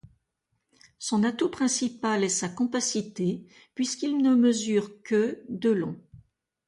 Son atout principal est sa compacité, puisqu'il ne mesure que de long.